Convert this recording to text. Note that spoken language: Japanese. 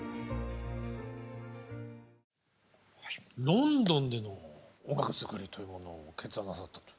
ロンドンでの音楽作りというものを決断なさったと。